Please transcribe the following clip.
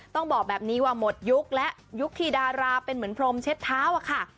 ต้องบอกแบบนี้ว่าหมดยุคและยุคที่ดาราเป็นเหมือนพรมเช็ดเท้าอะค่ะ